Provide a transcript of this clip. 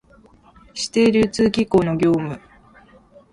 指定流通機構の業務